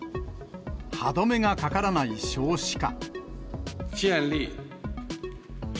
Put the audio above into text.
歯止めがかからない少子化。